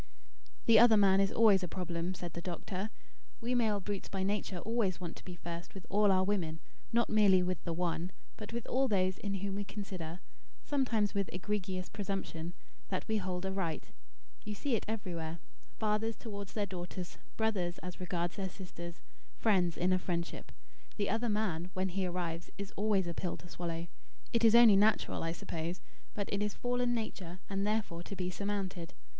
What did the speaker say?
"The 'other man' is always a problem," said the doctor. "We male brutes, by nature, always want to be first with all our women; not merely with the one, but with all those in whom we consider, sometimes with egregious presumption, that we hold a right. You see it everywhere, fathers towards their daughters, brothers as regards their sisters, friends in a friendship. The 'other man,' when he arrives, is always a pill to swallow. It is only natural, I suppose; but it is fallen nature and therefore to be surmounted.